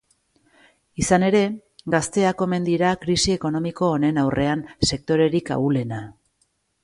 Izan ere, gazteak omen dira krisi ekonomiko honen aurrean sektorerik ahulena.